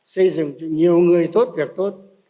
xây dựng cho nhiều người tốt việc tốt